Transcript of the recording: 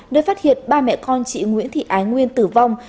nơi phát hiện ba mẹ con chị nguyễn thị ái nguyên tử vong